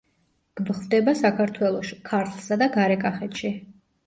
გვხვდება საქართველოში ქართლსა და გარეკახეთში.